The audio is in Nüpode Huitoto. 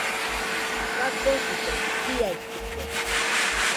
Fagosillaɨ chiaitɨkue.